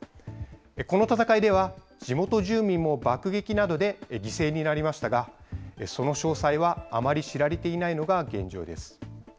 この戦いでは、地元住民も爆撃などで犠牲になりましたが、その詳細はあまり知られていないのが現状です。